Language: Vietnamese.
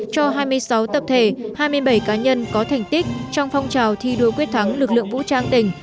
cho hai mươi sáu tập thể hai mươi bảy cá nhân có thành tích trong phong trào thi đua quyết thắng lực lượng vũ trang tỉnh